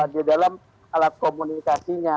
di dalam alat komunikasinya